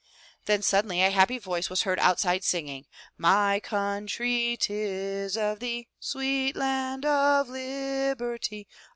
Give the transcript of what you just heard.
Then suddenly a happy voice was heard outside singing: ''My country His of thee. Sweet land of liberty.